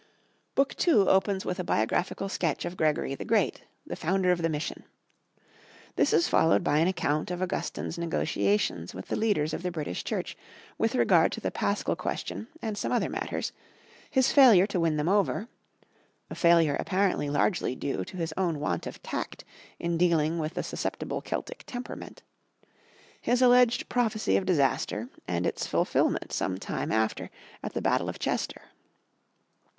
—Book II opens with a biographical sketch of Gregory the Great, the founder of the Mission. This is followed by an account of Augustine's negotiations with the leaders of the British Church with regard to the Paschal question and some other matters, his failure to win them over (a failure apparently largely due to his own want of tact in dealing with the susceptible Celtic temperament), his alleged prophecy of disaster and its fulfilment some time after at the battle of Chester.